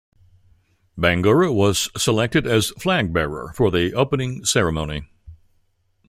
Bangura was selected as flag bearer for the opening ceremony.